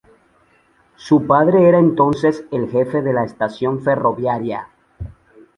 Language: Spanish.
Su padre era entonces el jefe de la estación ferroviaria.